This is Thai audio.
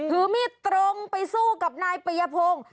ถือมีดตรงไปสู้กับนายปริยพงศ์